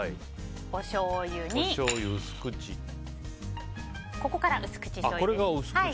おしょうゆにここから薄口しょうゆです。